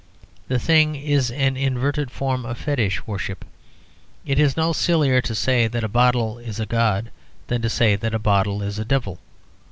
The thing is an inverted form of fetish worship; it is no sillier to say that a bottle is a god than to say that a bottle is a devil.